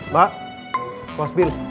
mbak ruang mobil